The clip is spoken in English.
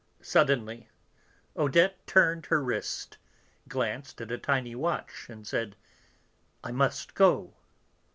Suddenly Odette turned her wrist, glanced at a tiny watch, and said: "I must go."